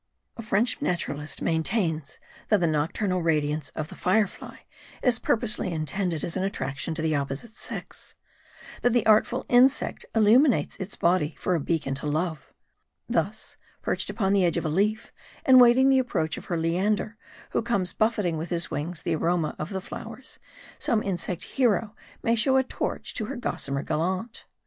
A French naturalist maintains, that the nocturnal radi ance of the fire fly is purposely intended as an attraction to the opposite sex ; that the artful insect illuminates its body for a beacon to love. Thus : perched upon the edge of a leaf, and waiting the approach of her Leander, who comes buflet ing with his wings the aroma of the flowers, some insect Hero may show a torch to her gossamer gallant.